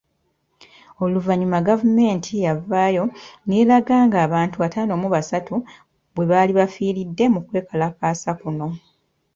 Oluvannyuma gavumenti yavaayo n’eraga ng’abantu ataano mu basatu bwe baali bafiiridde mu kwekalakaasa kuno .